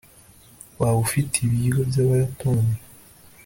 waba ufite ibiryo byabayapani